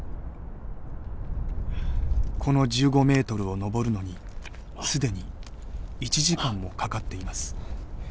この１５ｍを登るのに既に１時間もかかっています。